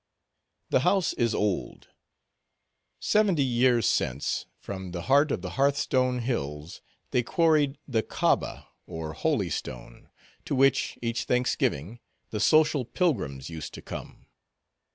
The house is old. Seventy years since, from the heart of the Hearth Stone Hills, they quarried the Kaaba, or Holy Stone, to which, each Thanksgiving, the social pilgrims used to come.